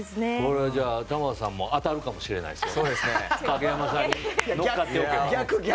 玉田さんも当たるかもしれないですよ。